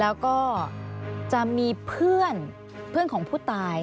อันดับที่สุดท้าย